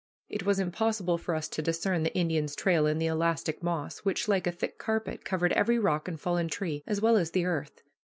It was impossible for us to discern the Indian's trail in the elastic moss, which, like a thick carpet, covered every rock and fallen tree, as well as the earth.